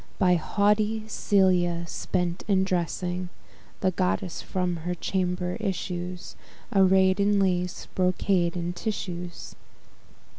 By haughty Celia spent in dressing; The goddess from her chamber issues, Array'd in lace, brocades, and tissues.